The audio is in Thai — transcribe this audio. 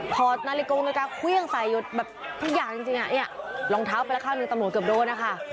พอนาฬิกาเครื่องใส่หยดแบบทุกอย่างจริงอ่ะเนี่ยรองเท้าไปแล้วข้างหนึ่งตำรวจเกือบโดนนะคะ